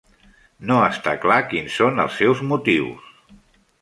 No està clar quins són els seus motius.